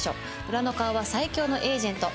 裏の顔は最強のエージェント。